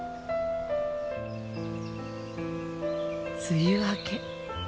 梅雨明け。